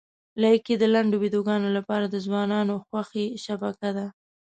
لایکي د لنډو ویډیوګانو لپاره د ځوانانو خوښې شبکه ده.